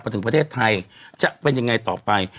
ถึงประเทศไทยจะเป็นยังไงต่อไป